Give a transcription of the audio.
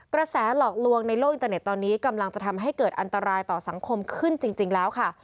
กระแสหลอกลวงในโลกอินเตอร์เน็ตตอนนี้กำลังจะทำให้เกิดอันตรายต่อสังคมขึ้นจริงแล้วค่ะ